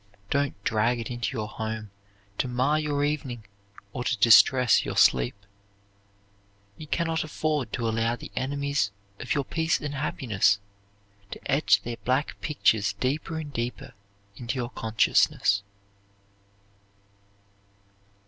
Don't drag it into your home to mar your evening or to distress your sleep. You can not afford to allow the enemies of your peace and happiness to etch their black pictures deeper and deeper into your consciousness.